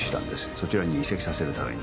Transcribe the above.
そちらに移籍させるために。